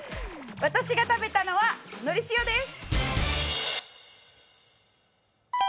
私が食べたのはのり塩です。